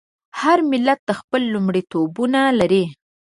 هر ملت خپل لومړیتوبونه لري.